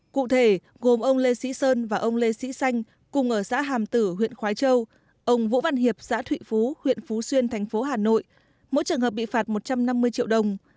cụ thể gồm ông lê sĩ sơn và ông lê sĩ xanh cùng ở xã hàm tử huyện khói châu ông vũ văn hiệp xã thụy phú huyện phú xuyên thành phố hà nội mỗi trường hợp bị phạt một trăm năm mươi triệu đồng